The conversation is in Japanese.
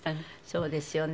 そうですよね。